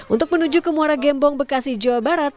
untuk menuju ke muara gembong bekasi jawa barat